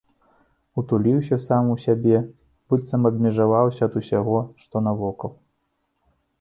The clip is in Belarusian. Утуліўся сам у сябе, быццам адмежаваўся ад усяго, што навокал.